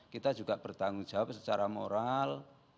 kita juga bertanggung jawab secara moral